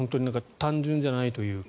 単純じゃないというか。